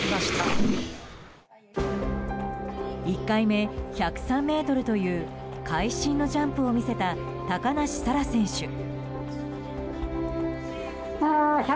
１回目、１０３ｍという会心のジャンプを見せた高梨沙羅選手。